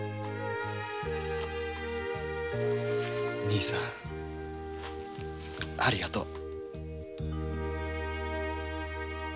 兄さんありがとう。